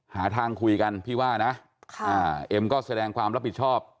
หาทางคุยกันพี่ว่านะเอ็มก็แสดงความรับผิดชอบ